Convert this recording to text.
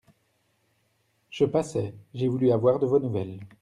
Je passais, j'ai voulu avoir de vos nouvelles.